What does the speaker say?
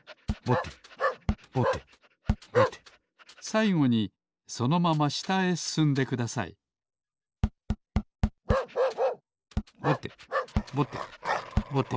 さいごにそのまましたへすすんでくださいぼてぼてぼて。